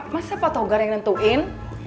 masa pak togar yang nentuin